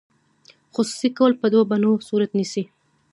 خصوصي کول په دوه بڼو صورت نیسي.